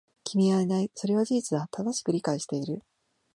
君はいない。それは事実だ。正しく理解している。